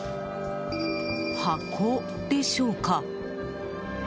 箱でしょうか。